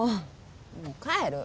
もう帰る！